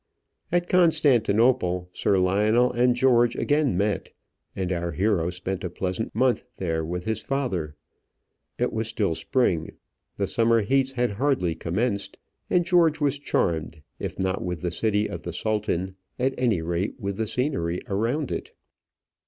At Constantinople, Sir Lionel and George again met, and our hero spent a pleasant month there with his father. It was still spring, the summer heats had hardly commenced, and George was charmed, if not with the city of the Sultan, at any rate with the scenery around it.